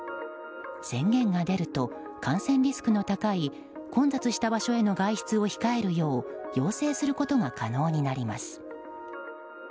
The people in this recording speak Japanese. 宣言が出ると、感染リスクの高い混雑した場所への外出を控えるよう要請することが可能になります。